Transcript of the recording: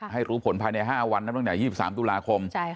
ให้รู้ผลภายใน๕วันนั้นตั้งแต่๒๓ตุลาคม